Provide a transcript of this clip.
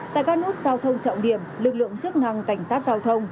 tại các nút giao thông trọng điểm lực lượng chức năng cảnh sát giao thông